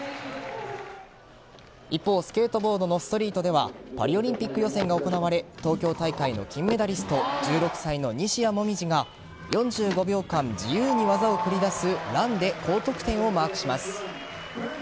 一方スケートボードのストリートではパリオリンピック予選が行われ東京大会の金メダリスト１６歳の西矢椛が４５秒間、自由に技を繰り出すランで高得点をマークします。